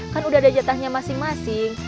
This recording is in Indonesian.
kan udah ada jatahnya masing masing